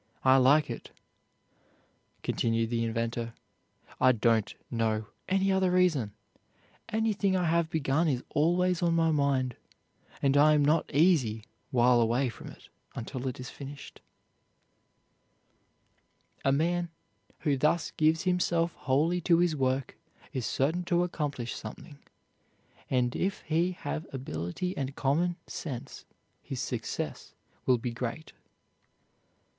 I like it," continued the great inventor. "I don't know any other reason. Anything I have begun is always on my mind, and I am not easy while away from it until it is finished." [Illustration: Thomas Alva Edison] A man who thus gives himself wholly to his work is certain to accomplish something; and if he have ability and common sense, his success will be great.